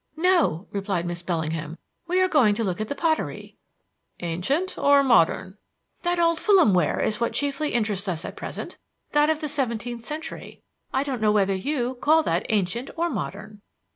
"No," replied Miss Bellingham; "we are going to look at the pottery." "Ancient or modern?" "That old Fulham ware is what chiefly interests us at present; that of the seventeenth century. I don't know whether you call that ancient or modern."